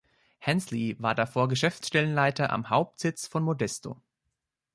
Hensley war davor Geschäftsstellenleiter am Hauptsitz von Modesto.